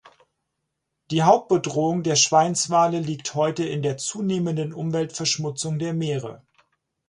Die Hauptbedrohung der Schweinswale liegt heute in der zunehmenden Umweltverschmutzung der Meere.